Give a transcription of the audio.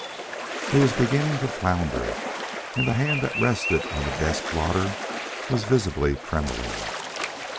He was beginning to flounder, and the hand that rested on the desk blotter was visibly trembling.